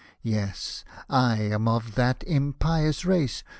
Yes —/ am of that impious race.